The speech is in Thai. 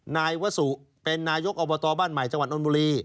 นายวสุเป็นนายกอบตบ้านใหม่จังหวัดนนทบุรี